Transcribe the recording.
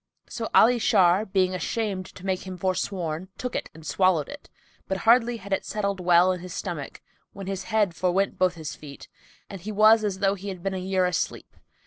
So Ali Shar, being ashamed to make him forsworn, took it and swallowed it; but hardly had it settled well in his stomach, when his head forwent both his feet and he was as though he had been a year asleep.